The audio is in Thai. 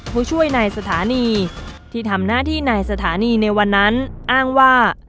ผู้ช่วยในสถานีที่ทำหน้าที่ในสถานีในวันนั้นอ้างว่า